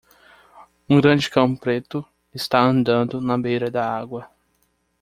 Um grande cão preto está andando na beira da água.